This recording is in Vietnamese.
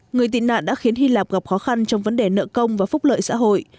người tị nạn đã khiến hy lạp gặp khó khăn trong vấn đề nợ công và phúc lợi xã hội